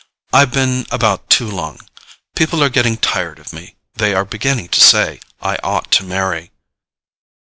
I've been about too long—people are getting tired of me; they are beginning to say I ought to marry."